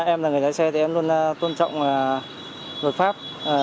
em là người lái xe thì em luôn tôn trọng luật pháp